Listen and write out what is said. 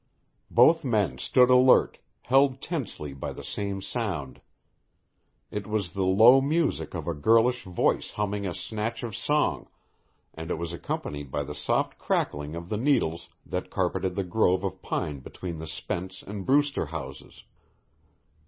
Both men stood alert, held tensely by the same sound. It was the low music of a girlish voice humming a snatch of song, and it was accompanied by the soft crackling of the needles that carpeted the grove of pine between the Spence and Brewster houses.